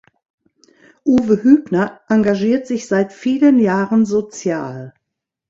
Uwe Hübner engagiert sich seit vielen Jahren sozial.